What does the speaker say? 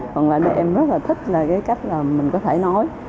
còn là em rất là thích là cái cách là mình có thể nói